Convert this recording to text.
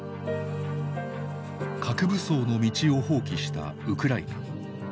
核武装の道を放棄したウクライナ。